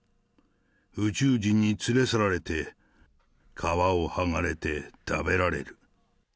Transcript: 宇宙人に連れ去られて、皮を剥がれて食べられる。